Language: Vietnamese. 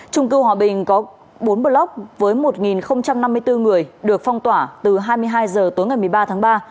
trung cư hòa bình có bốn blog với một năm mươi bốn người được phong tỏa từ hai mươi hai h tối ngày một mươi ba tháng ba